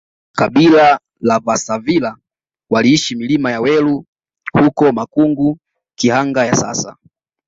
kabila la vasavila waliishi milima ya welu huko Makungu Kihanga ya sasa